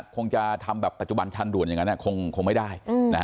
คงจะทำแบบปัจจุบันทันด่วนอย่างนั้นคงไม่ได้